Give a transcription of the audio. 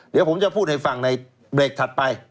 เดี๋ยวผมจะพูดให้ฟังในเบรกถัดไป